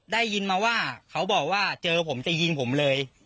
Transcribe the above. ได้ยินมาว่าเขาบอกว่าเจอผมจะยิงผมเลย